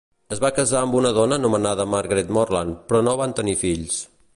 Es va casar amb una dona anomenada Margaret Morlay, però no van tenir fills.